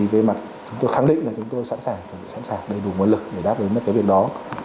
về mặt chúng tôi khẳng định là chúng tôi sẵn sàng sẵn sàng đầy đủ nguồn lực để đáp ứng được cái việc đó